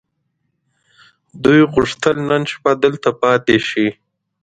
دوی غوښتل نن شپه دلته پاتې شي.